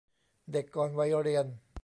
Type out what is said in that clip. เด็กก่อนวัยเรียน